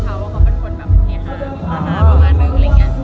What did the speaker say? ร้านเหมือนจะพอให้น้องเอารูปลงค่ะ